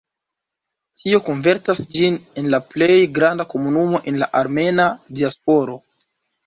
Tio konvertas ĝin en la plej granda komunumo en la armena diasporo.